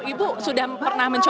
ibu sudah pernah mencoba